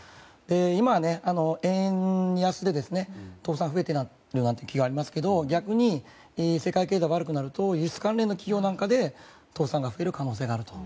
今、円安で倒産が増えている気がしますが逆に世界経済が悪くなると輸出関連の企業なんかで倒産が増える可能性があると。